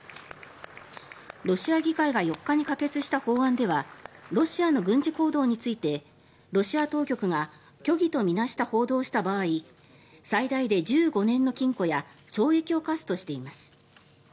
ロシア議会が４日に可決した法案ではロシアの軍事行動についてロシア当局が虚偽と見なした報道をした場合最大で１５年の禁錮や懲役を科すとしています。